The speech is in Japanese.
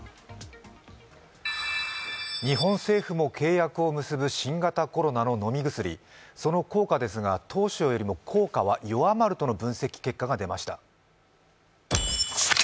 日本政府も契約を結ぶ新型コロナの飲み薬、その効果ですが当初よりも効果は弱まるとの分析結果が出ました。